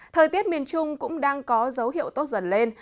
thời tiết miền trung cũng đang có dấu hiệu tốt dần lên